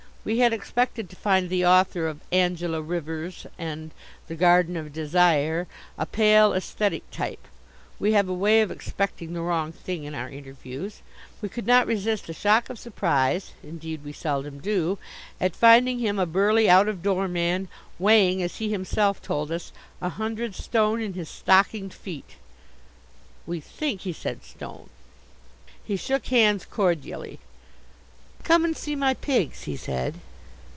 We had expected to find the author of Angela Rivers and The Garden of Desire a pale aesthetic type (we have a way of expecting the wrong thing in our interviews). We could not resist a shock of surprise (indeed we seldom do) at finding him a burly out of door man weighting, as he himself told us, a hundred stone in his stockinged feet (we think he said stone). He shook hands cordially. "Come and see my pigs," he said.